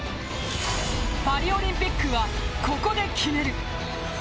パリオリンピックはココで、決める。